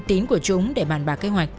tính của chúng để bàn bạc kế hoạch